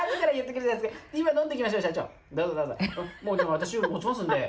私持ちますんで。